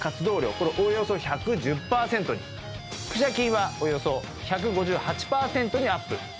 これおよそ１１０％に腹斜筋はおよそ１５８％にアップ